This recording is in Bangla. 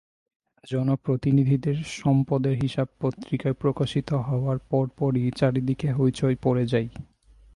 জনপ্রতিনিধিদের সম্পদের হিসাব পত্রিকায় প্রকাশিত হওয়ার পরই চারদিকে হইচই পড়ে যায়।